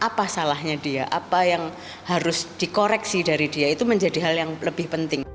apa salahnya dia apa yang harus dikoreksi dari dia itu menjadi hal yang lebih penting